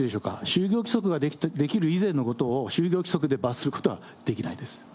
就業規則ができる以前のことを、就業規則で罰することはできないです。